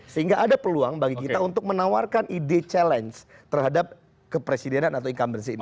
sehingga ada peluang bagi kita untuk menawarkan ide challenge terhadap kepresidenan atau incumbenty ini